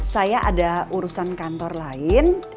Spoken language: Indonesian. saya ada urusan kantor lain